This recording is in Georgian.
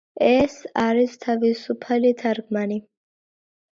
ეს არის თავისუფალი თარგმანი.